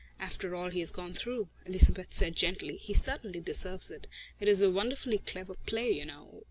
"After all he has gone through," Elizabeth said gently, "he certainly deserves it. It is a wonderfully clever play, you know